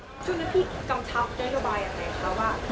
ว่าื่นลงไปดูคลิบไหนยังไง